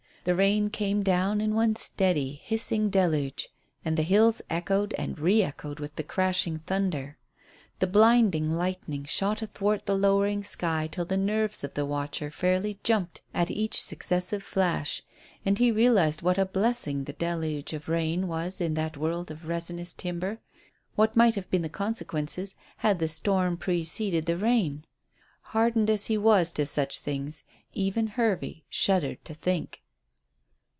The rain came down in one steady, hissing deluge, and the hills echoed and re echoed with the crashing thunder. The blinding lightning shot athwart the lowering sky till the nerves of the watcher fairly jumped at each successive flash. And he realized what a blessing the deluge of rain was in that world of resinous timber. What might have been the consequences had the storm preceded the rain? Hardened as he was to such things, even Hervey shuddered to think.